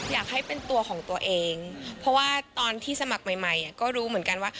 อยากให้เป็นตัวของตัวเองเพราะว่าตอนที่สมัครใหม่ใหม่ก็รู้เหมือนกันว่า